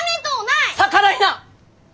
逆らいな！